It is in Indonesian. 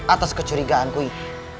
atas kecurigaanku ini